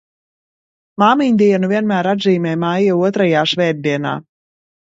Māmiņdienu vienmēr atzīmē maija otrajā svētdienā.